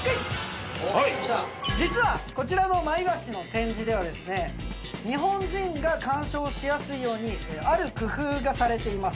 実はこちらのマイワシの展示ではですね日本人が鑑賞しやすいようにある工夫がされています。